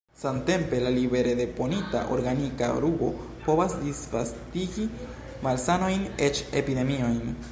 Samtempe la libere deponita organika rubo povas disvastigi malsanojn, eĉ epidemiojn.